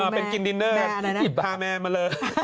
เป็นกินดินเนอร์